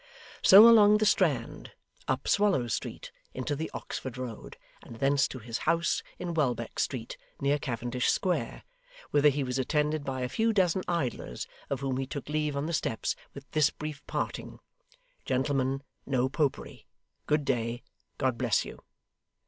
So along the Strand, up Swallow Street, into the Oxford Road, and thence to his house in Welbeck Street, near Cavendish Square, whither he was attended by a few dozen idlers; of whom he took leave on the steps with this brief parting, 'Gentlemen, No Popery. Good day. God bless you.